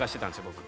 僕。